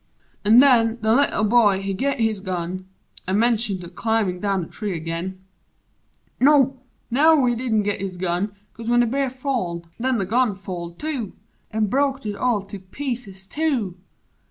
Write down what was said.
An' nen the Little Boy he git his gun An' 'menced a climbin' down the tree ag'in No! no, he didn't git his gun 'cause when The Bear falled, nen the gun falled, too An' broked It all to pieces, too!